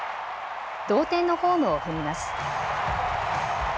同点のホームを踏みます。